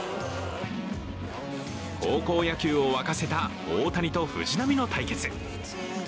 高校野球を沸かせた大谷と藤浪の対決。